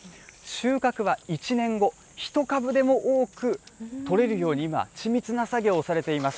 収穫は１年後、１株でも多く取れるように、今、ち密な作業をされています。